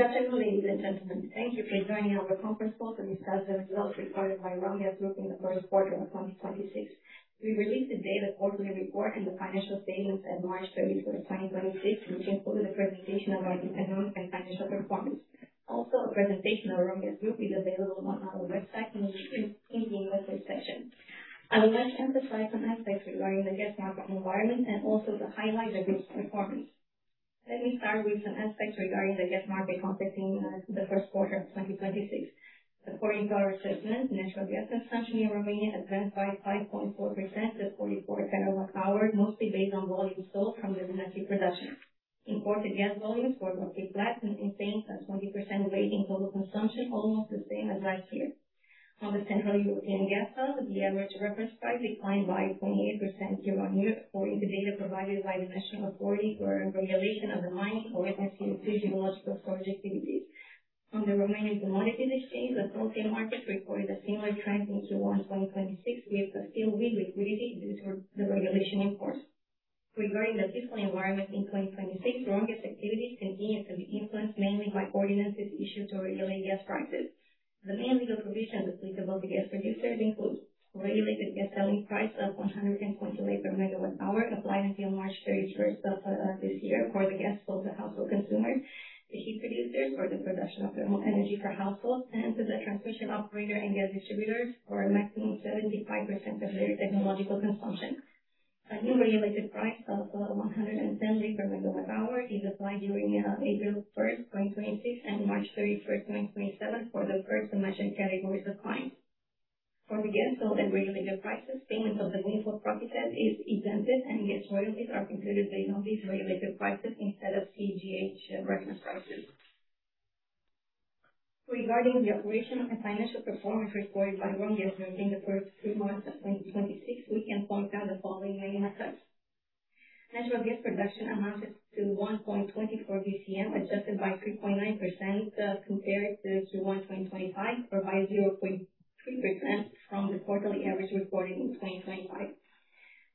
Good afternoon, ladies and gentlemen. Thank you for joining our conference call to discuss the results recorded by Romgaz Group in the first quarter of 2026. We released the data quarterly report and the financial statements at March 31st, 2026, which included a presentation of our economic and financial performance. A presentation of Romgaz Group is available on our website and is shared in the investor section. I would like to emphasize some aspects regarding the gas market environment and also to highlight the group's performance. Let me start with some aspects regarding the gas market operating the first quarter of 2026. According to our assessment, natural gas consumption in Romania advanced by 5.4% to 44 TWh, mostly based on volume sold from the domestic production. Imported gas volumes were roughly flat and in SNGN Romgaz, at 20% rate in total consumption, almost the same as last year. On the Central European Gas Hub, the average reference price declined by 28% year-on-year, according to data provided by the National Agency for Mineral Resources. On the Bucharest Stock Exchange, the wholesale market recorded a similar trend in Q1 2026, with a still weak liquidity due to the regulation in force. Regarding the fiscal environment in 2026, Romgaz activities continue to be influenced mainly by ordinances issued to regulate gas prices. The main legal provisions applicable to gas producers includes regulated gas selling price of RON 100 per MWh, applied until March 31st of this year for the gas sold to household consumers, the heat producers for the production of thermal energy for households, and to the transmission operator and gas distributors for a maximum of 75% of their technological consumption. A new regulated price of RON 110 per MWh is applied during April 1st, 2026, and March 31st, 2027, for the first mentioned categories of clients. For the gas sold at regulated prices, payment of the windfall profit tax is exempted, and gas royalties are computed based on these regulated prices instead of CEGH reference prices. Regarding the operational and financial performance reported by Romgaz Group in the first three months of 2026, we can point out the following main aspects. Natural gas production amounted to 1.24 BCM, adjusted by 3.9% compared to one 2025 or by 0.3% from the quarterly average recorded in 2025.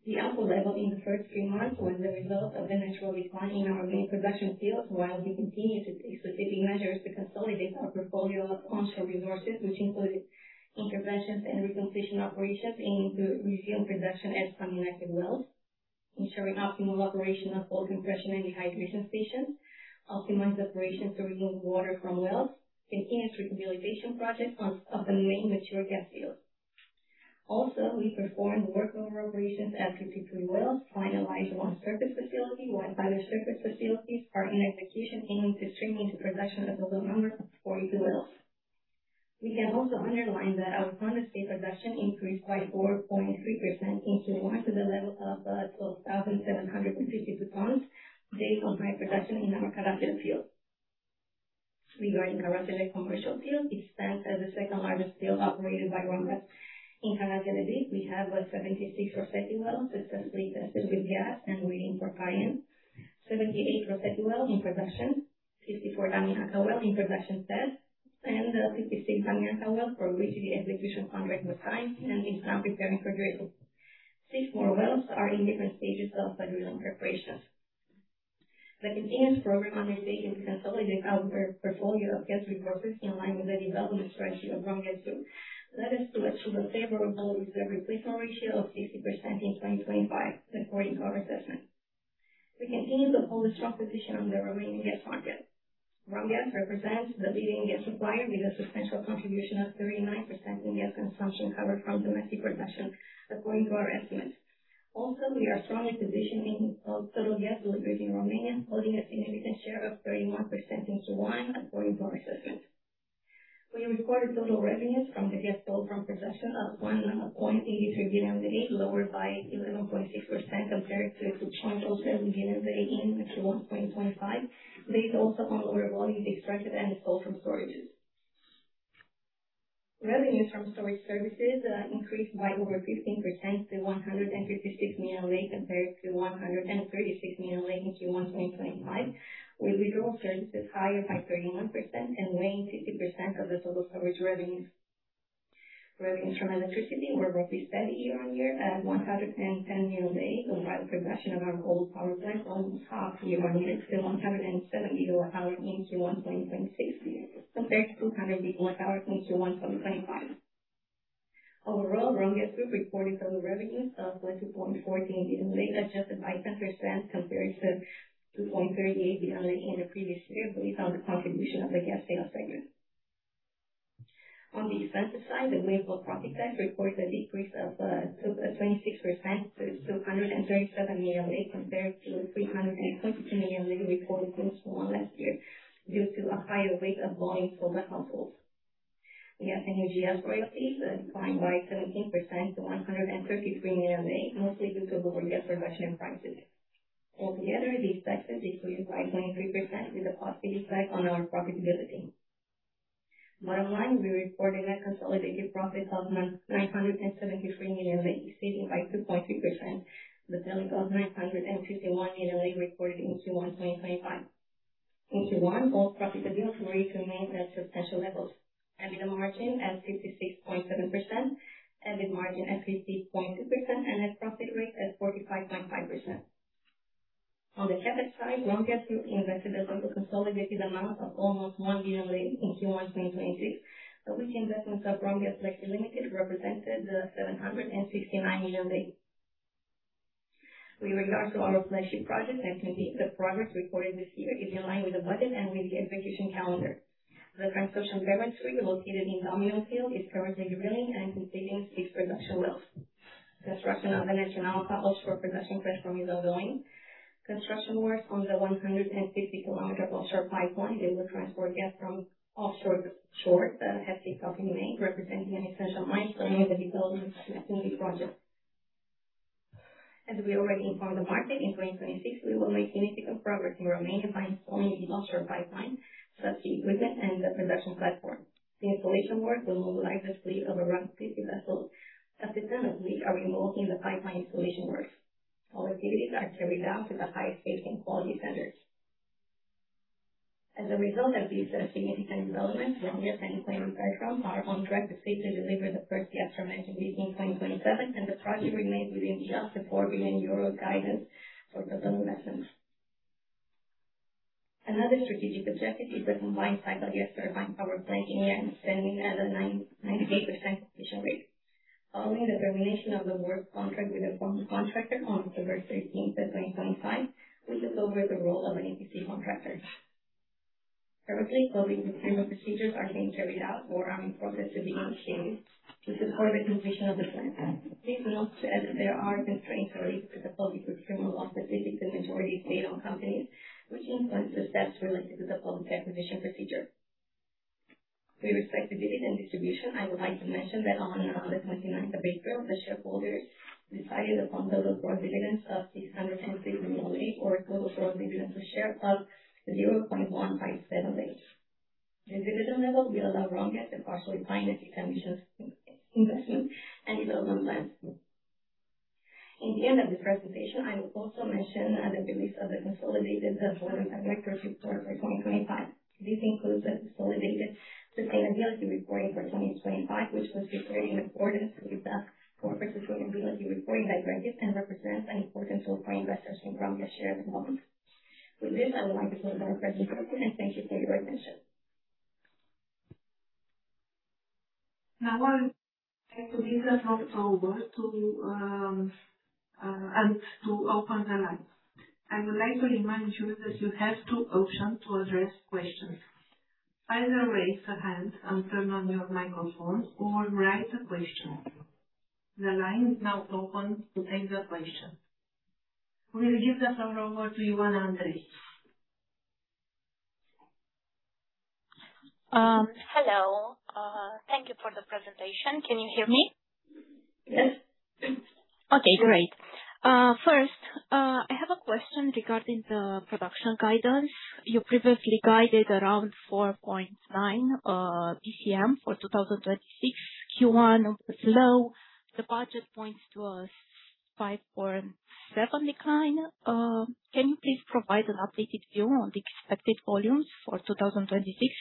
The output level in the first three months was the result of the natural decline in our main production fields, while we continue to take specific measures to consolidate our portfolio of onshore resources, which included interventions and recompletion operations aiming to resume production at some inactive wells, ensuring optimal operation of all compression and dehydration stations, optimize operations to remove water from wells, continuous rehabilitation projects on, of the main mature gas fields. We performed workover operations at 53 wells, finalized one surface facility, while bio-stripper facilities are in execution, aiming to stream into production a total number of 42 wells. We can also underline that our condensate production increased by 4.3% in Q1 to the level of 12,752 tons, based on higher production in our Caragele field. Regarding Caragele commercial field, it stands as the second-largest field operated by Romgaz. In Caragele, we have 76 Rosetti wells successfully tested with gas and waiting for tie-in, 78 Rosetti wells in production, 54 Amina wells in production test, and 56 Amina wells for which the execution contract was signed and is now preparing for drilling. Six more wells are in different stages of drilling preparations. The continuous program undertaken to consolidate our portfolio of gas resources in line with the development strategy of Romgaz Group led us to achieve a favorable reserve replacement ratio of 60% in 2025, according to our assessment. We continue to hold a strong position on the Romanian gas market. Romgaz represents the leading gas supplier with a substantial contribution of 39% in gas consumption covered from domestic production, according to our estimates. We are strongly positioned of total gas delivered in Romania, holding a significant share of 31% in Q1, according to our assessment. We recorded total revenues from the gas sold from production of RON 1.83 billion, lower by 11.6% compared to RON 2.7 billion in 21.25, based also on lower volumes extracted and sold from storages. Revenues from storage services increased by over 15% to RON 156 million compared to RON 136 million in Q1 2025, with withdrawal services higher by 31% and weighing 50% of the total storage revenues. Revenues from electricity were roughly steady year-on-year at RON 110 million, while production of our own power plant was half year-on-year to 170 kWh in Q1 2026 compared to 200 kWh in Q1 2025. Overall, Romgaz Group reported total revenues of RON 20.14 billion, adjusted by 10% compared to RON 20.38 billion in the previous year based on the contribution of the gas sales segment. On the expenses side, the windfall profit tax reports a decrease of 26% to RON 237 million, compared to RON 322 million reported in Q1 last year, due to a higher rate of volumes sold to households. Gas royalties declined by 17% to RON 153 million, mostly due to lower gas production and prices. Altogether, these factors decreased by 23% with a positive effect on our profitability. Bottom line, we reported a consolidated profit of RON 973 million, increasing by 2.3%, the sum of RON 951 million reported in Q1 2025. In Q1, both profitability and revenue remained at substantial levels. EBITDA margin at 66.7%, EBIT margin at 50.2%, net profit rate at 45.5%. On the CapEx side, Romgaz Group invested around a consolidated amount of almost RON 1 billion in Q1 2026, of which the investments of Romgaz SA represented RON 769 billion. With regard to our flagship project, Neptun Deep, the progress recorded this year is in line with the budget and with the execution calendar. The Transocean Barents rig located in Domino field is currently drilling and completing its production wells. Construction of the national offshore production platform is ongoing. Construction works on the 150-kilometer offshore pipeline that will transport gas from offshore to shore have kicked off in May, representing an essential milestone in the development of the Neptun Deep project. As we already informed the market, in 2026, we will make significant progress in Romania by installing the offshore pipeline, subsea equipment, and the production platform. The installation work will mobilize a fleet of around 50 vessels. At the turn of week are involved in the pipeline installation works. All activities are carried out with the highest safety and quality standards. As a result of these significant developments, Romgaz and its partners are on track to safely deliver the first gas from Neptun Deep in 2027, and the project remains within just the 4 billion euro guidance for development. Another strategic objective is the combined cycle gas turbine power plant in Iernut, standing at a 99.8% completion rate. Following the termination of the work contract with the former contractor on October 13th, 2025, we took over the role of an EPC contractor. Currently, closing procurement procedures are being carried out for an import that should be initiated to support the completion of the plant. Please note that there are constraints related to the public procurement law specific to majority state-owned companies, which influence the steps related to the public acquisition procedure. With respect to dividend distribution, I would like to mention that on the 29th of April, the shareholders decided upon the total gross dividends of RON 860 billion or total gross dividend per share of RON 0.157. The dividend level will allow Romgaz to partially finance its ambitious in-investment and development plans. In the end of this presentation, I will also mention the release of the consolidated financial statements for 2025. This includes the consolidated sustainability reporting for 2025, which was prepared in accordance with the Corporate Sustainability Reporting Guidelines and represents an important tool for investors in Romgaz share development. With this, I would like to close our presentation. Thank you for your attention. Now I would like to give the floor over to and to open the line. I would like to remind you that you have two options to address questions. Either raise a hand and turn on your microphone or write a question. The line is now open to take the questions. We'll give the floor over to Ioana Andrei. Hello. Thank you for the presentation. Can you hear me? Yes. Okay, great. First, I have a question regarding the production guidance. You previously guided around 4.9 BCM for 2026. Q1 was low. The budget points to a 5.7 decline. Can you please provide an updated view on the expected volumes for 2026?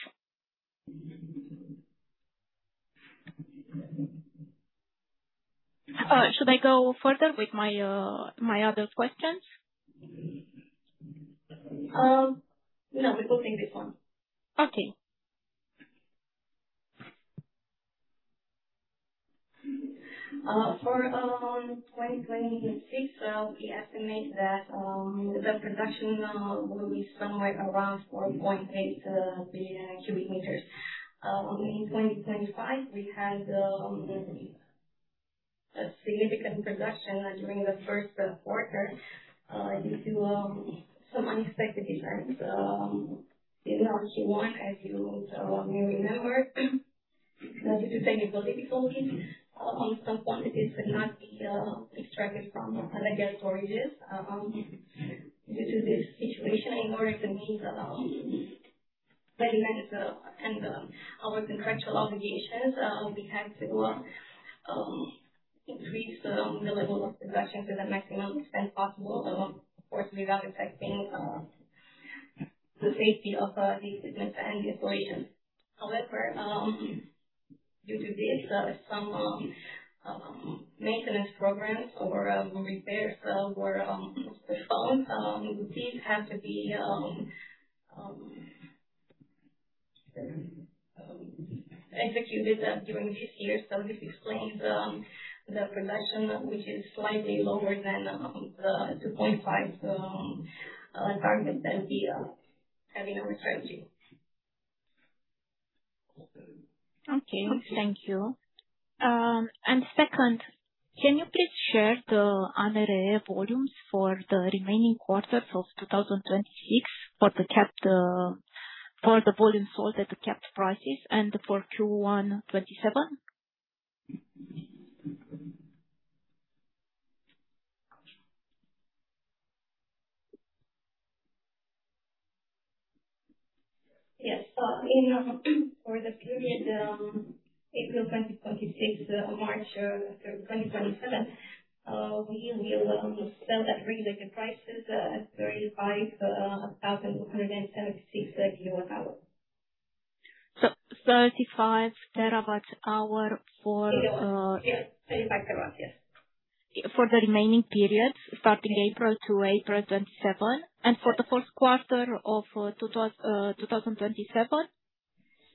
Should I go further with my other questions? No, we're good with this one. Okay. For 2026, we estimate that the production will be somewhere around 4.8 billion cubic meters. In 2025, we had a significant production during the first quarter, due to some unexpected events in early Q1, as you may remember, due to technical difficulties. On some quantities could not be extracted from alleged storages. Due to this situation, in order to meet maintenance and our contractual obligations, we had to increase the level of production to the maximum extent possible, of course, without affecting the safety of the equipment and the employees. However, due to this, some maintenance programs or repairs were postponed. These had to be executed during this year. This explains the production, which is slightly lower than the 0.5 target that we have in our strategy. Okay. Thank you. Second, can you please share the ANRE volumes for the remaining quarters of 2026 for the capped, for the volume sold at the capped prices and for Q1 2027? Yes. In for the period April 2026 to March 2027, we will sell that related prices at 35,176 GWh. 35 TB hour for. Yeah, 35 TB. Yes. For the remaining periods, starting April to April 2027 and for the first quarter of 2027,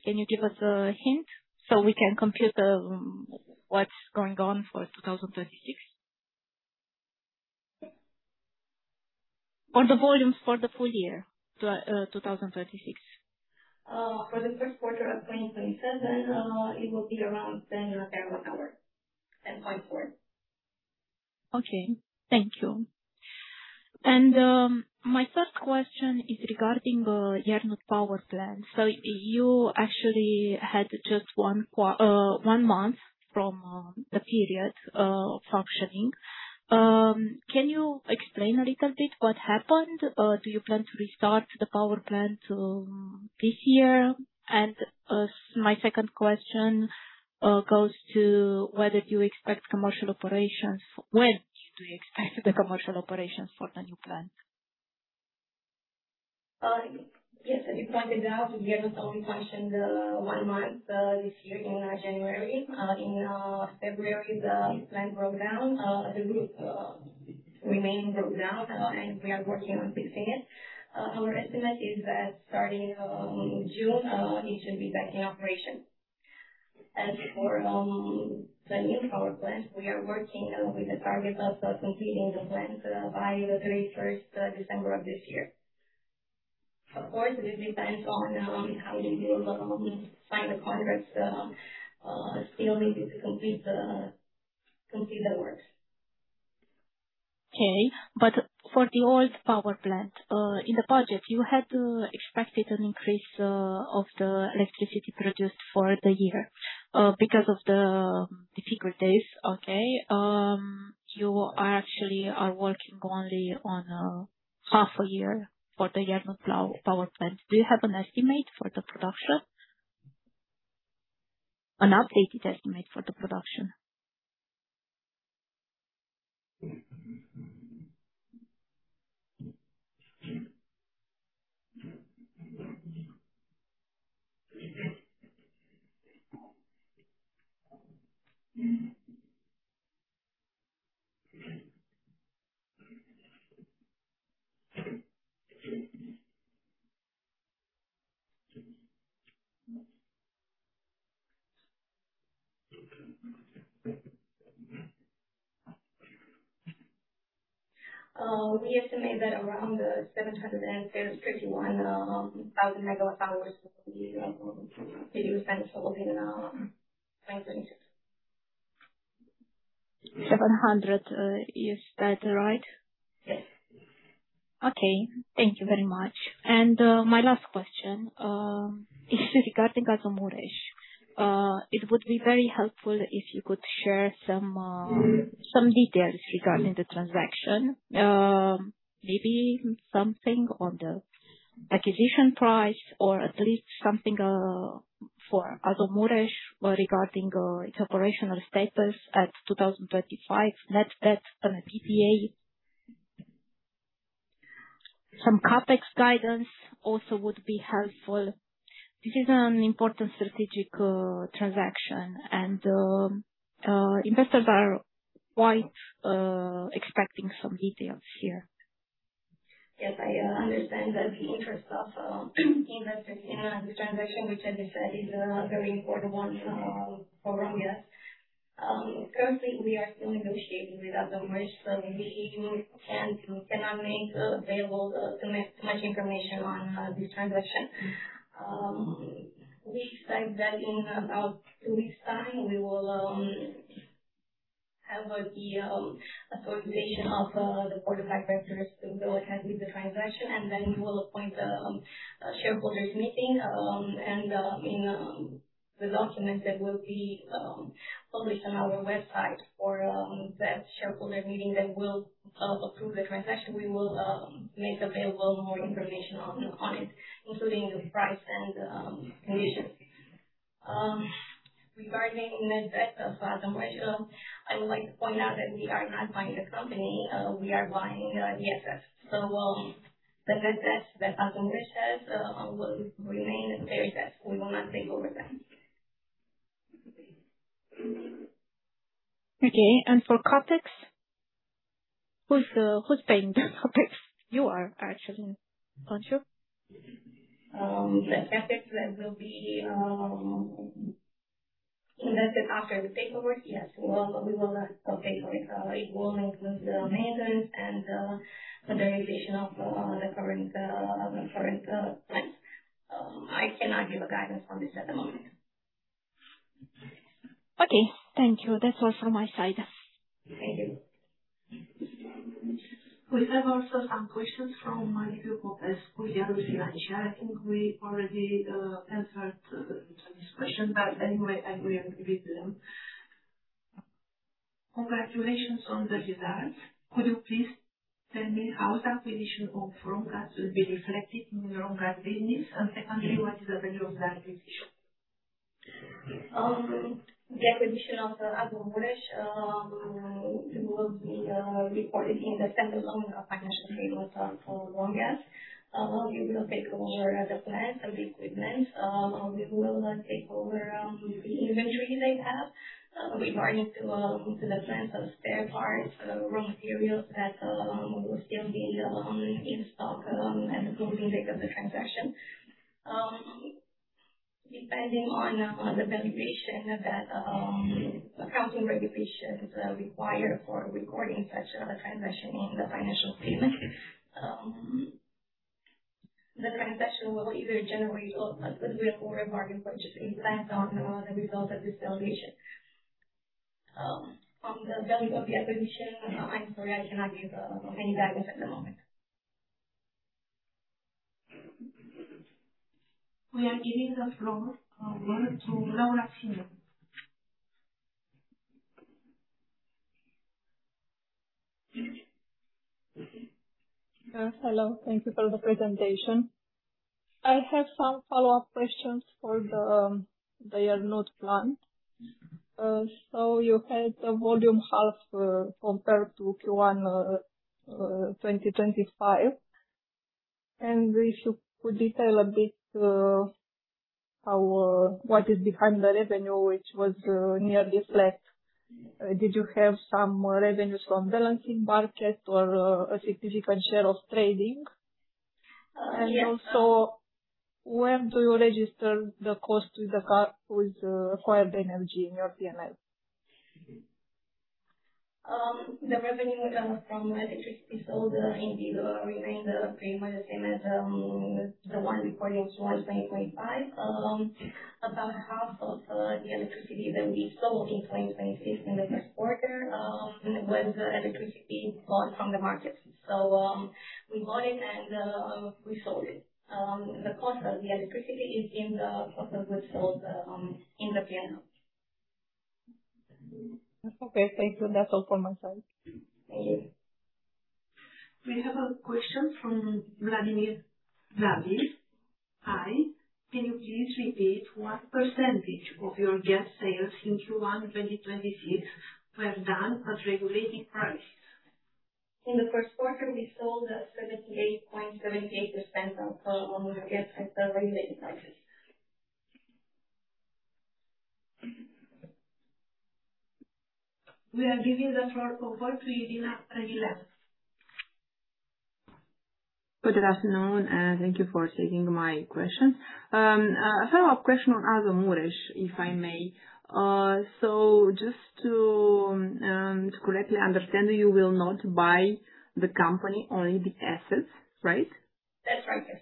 can you give us a hint so we can compute the what's going on for 2036? Or the volumes for the full-year 2036. For the first quarter of 2027, it will be around 10 TWh, 10.4. Okay. Thank you. My third question is regarding Iernut power plant. You actually had just one month from the period functioning. Can you explain a little bit what happened? Do you plan to restart the power plant this year? My second question goes to whether you expect commercial operations. When do you expect the commercial operations for the new plant? Yes. As you pointed out, we have not only functioned, one month, this year in January. In February, the plant broke down. The group, remain broke down, and we are working on fixing it. Our estimate is that starting June, it should be back in operation. For the new power plant, we are working with the target of completing the plant by the thirty-first December of this year. Of course, it will depend on how we will sign the contracts, still needed to complete the works. Okay. For the old power plant, in the budget, you had expected an increase of the electricity produced for the year, because of the difficulties. Okay. You are actually working only on half a year for the Iernut power plant. Do you have an estimate for the production? An updated estimate for the production? We estimate that around 731,000 MWh will be available in 2026. 700, is that right? Yes. Okay. Thank you very much. My last question is regarding Azomures. It would be very helpful if you could share some details regarding the transaction. Maybe something on the acquisition price or at least something for Azomures regarding its operational status at 2035 net debt on the PPA. Some CapEx guidance also would be helpful. This is an important strategic transaction and investors are quite expecting some details here. Yes, I understand that the interest of investors in the transaction, which as you said, is a very important one for Romania. Currently, we are still negotiating with Azomures, so we cannot make available too much information on this transaction. We expect that in about two weeks' time, we will have the authorization of the Board of Directors to go ahead with the transaction. Then we will appoint a shareholders meeting, and in the documents that will be published on our website for that shareholder meeting that will approve the transaction. We will make available more information on it, including the price and conditions. Regarding net debt of Azomures, I would like to point out that we are not buying the company. We are buying the assets. The net debt that Azomures has will remain their debt. We will not take over that. Okay. For CapEx, who's paying the CapEx? You are actually, aren't you? The CapEx that will be invested after the takeover, yes. We will take over it. It will include the maintenance and modernization of the current plants. I cannot give a guidance on this at the moment. Okay. Thank you. That's all from my side. Thank you. We have also some questions from Marian Popescu, Gândul Financiar. I think we already answered his question. Anyway, I will read them. Congratulations on the results. Could you please tell me how the acquisition of Romgaz will be reflected in Romgaz business? Secondly, what is the value of that acquisition? The acquisition of Azomureș will be reported in the center zone of financial statements for Romgaz. We will take over the plant, the equipment. We will take over the inventory they have regarding to the plants of spare parts, raw materials that will still be in stock at the closing date of the transaction. Depending on the valuation that accounting regulations require for recording such a transaction in the financial statement. The transaction will either generate or a goodwill or a bargain purchase impact on the result of this valuation. On the value of the acquisition, I'm sorry, I cannot give any guidance at the moment. We are giving the floor over to Laura Scena. Hello. Thank you for the presentation. I have some follow-up questions for the Dejului plant. You had a volume half compared to Q1 2025. If you could detail a bit how What is behind the revenue which was nearly flat. Did you have some revenues from balancing budget or a significant share of trading? Yes. When do you register the cost with acquired energy in your P&L? The revenue that was from electricity sold indeed remained pretty much the same as the one reported in Q1 2025. About half of the electricity that we sold in 2026 in the first quarter was electricity bought from the market. We bought it and we sold it. The cost of the electricity is in the cost of goods sold in the P&L. Okay, thank you. That's all for my side. Thank you. We have a question from Vladimir Davis. Hi. Can you please repeat what % of your gas sales in Q1 2026 were done at regulated prices? In the first quarter, we sold 78.78% of our gas at regulated prices. We are giving the floor over to Irina Redila. Good afternoon, and thank you for taking my question. A follow-up question on Azomureș, if I may. Just to correctly understand, you will not buy the company, only the assets, right? That's right, yes.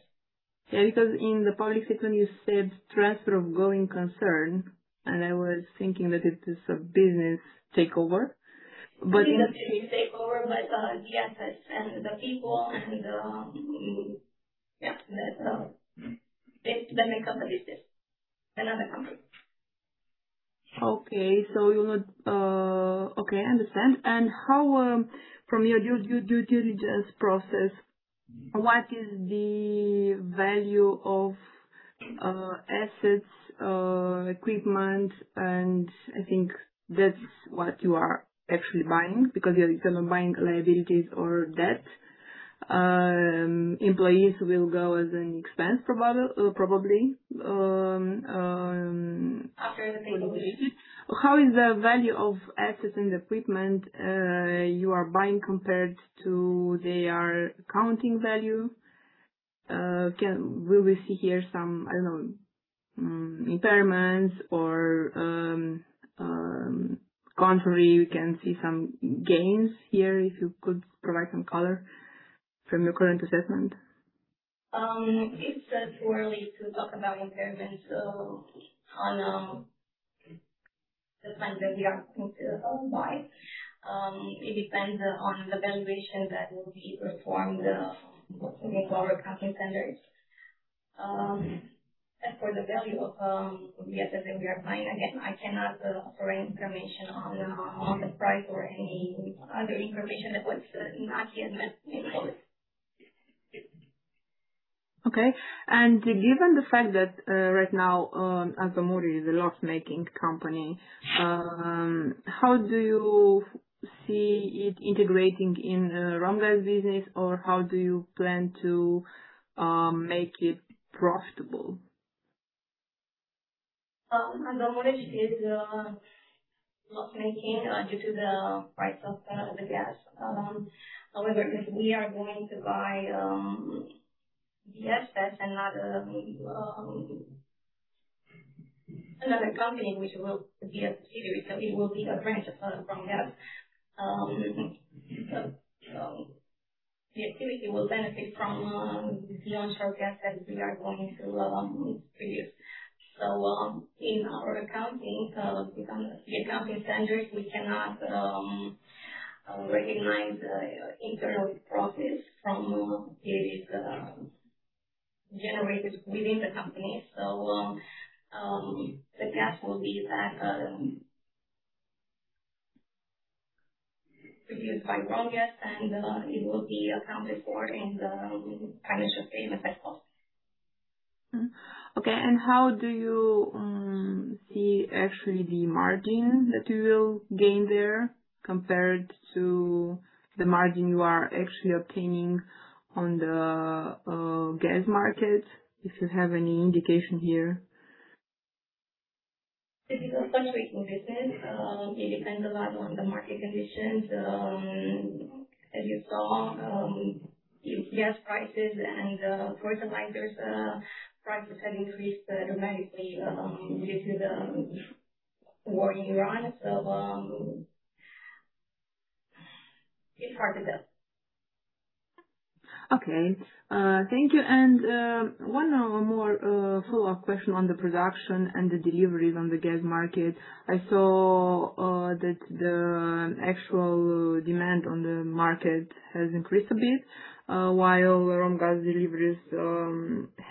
Yeah, because in the public statement, you said transfer of going concern, and I was thinking that it is a business takeover. It is a business takeover, but, the assets and the people and, yeah, the main company is another company. Okay. You're not Okay, I understand. How, from your due diligence process, what is the value of assets, equipment, and I think that's what you are actually buying because you're not buying liabilities or debt. Employees will go as an expense probably. After the completion. How is the value of assets and equipment, you are buying compared to their accounting value? Will we see here some, I don't know, impairments or, contrary, we can see some gains here, if you could provide some color from your current assessment. It's too early to talk about impairments on the plans that we are going to buy. It depends on the valuation that will be performed according to our accounting standards. As for the value of the assets that we are buying, again, I cannot provide information on the price or any other information that was not yet made public. Okay. Given the fact that, right now, Azomureș is a loss-making company, how do you see it integrating in Romgaz business, or how do you plan to make it profitable? Azomureș is loss-making due to the price of the gas. If we are going to buy the assets and not another company which will be a subsidiary company, will be a branch from that, so the activity will benefit from the onshore gas that we are going to produce. In our accounting standards, we cannot recognize the internal process from it is generated within the company. The gas will be that produced by Romgaz, and it will be accounted for in the financial statement as well. Okay. How do you see actually the margin that you will gain there compared to the margin you are actually obtaining on the gas market? If you have any indication here. This is a fluctuating business. It depends a lot on the market conditions. As you saw, gas prices and the fertilizer prices have increased dramatically due to the war in Ukraine. It's hard to tell. Okay. Thank you. One more follow-up question on the production and the deliveries on the gas market. I saw that the actual demand on the market has increased a bit, while Romgaz deliveries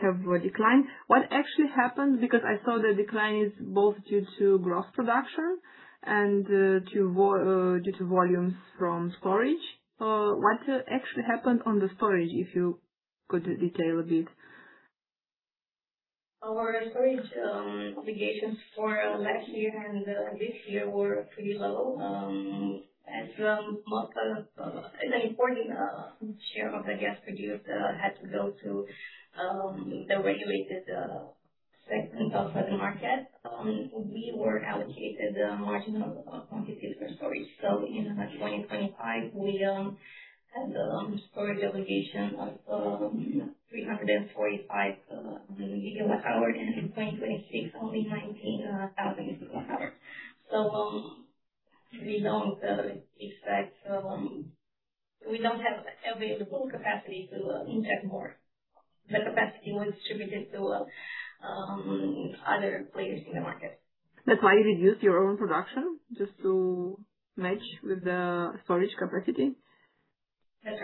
have declined. What actually happened? Because I saw the decline is both due to gross production and due to volumes from storage. What actually happened on the storage, if you could detail a bit? Our storage obligations for last year and this year were pretty low, as most of an important share of the gas produced had to go to the regulated segment of the market. We were allocated a margin of quantities for storage. In 2025, we had storage obligation of 345 GWh, and in 2026, only 19,000 GWh. We don't have available capacity to inject more. The capacity was distributed to other players in the market. That's why you reduced your own production just to match with the storage capacity? That's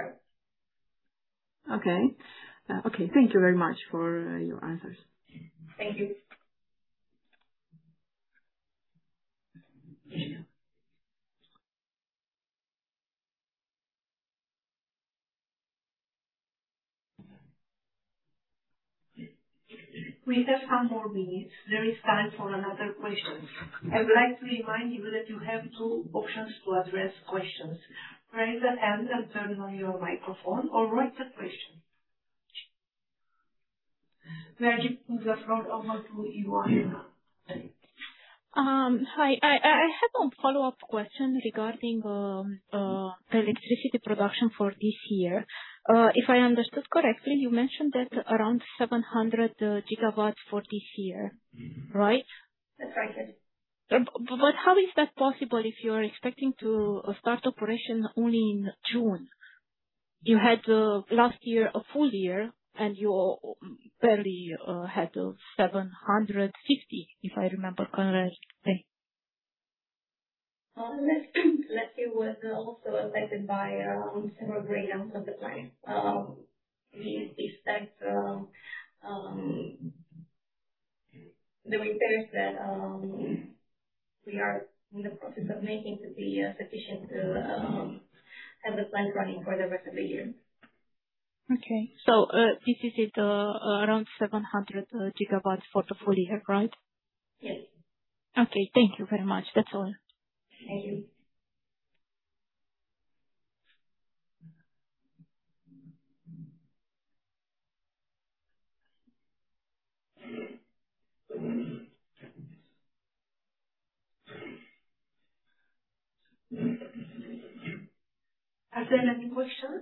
right. Okay. Okay. Thank you very much for your answers. Thank you. We have some more minutes. There is time for another question. I would like to remind you that you have two options to address questions. Raise a hand and turn on your microphone or write a question. Magic, the floor over to you, Anna. Hi. I had one follow-up question regarding the electricity production for this year. If I understood correctly, you mentioned that around 700 GW for this year, right? That's right. How is that possible if you're expecting to start operation only in June? You had last year a full-year, and you barely had 750, if I remember correctly. Last year was also affected by several breakdowns of the plant. We expect the repairs that we are in the process of making to be sufficient to have the plant running for the rest of the year. Okay. This is it, around 700 GW for the full-year, right? Yes. Okay. Thank you very much. That's all. Thank you. Are there any questions?